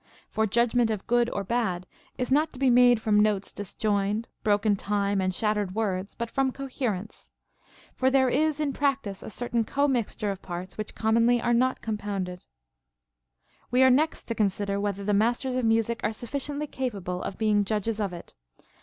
For judgment of good or bad is not to be made from notes disjoined, broken time, and shattered words, but from coherence. For there is in practice a certain commixture of parts which commonly are not compounded. So much as to coherence. 36. We are next to consider Avhether the masters of music are sufficiently capable of being judges of it.